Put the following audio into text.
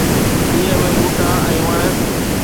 ڏينهن ۾ ٻوٽا ۽ وڻ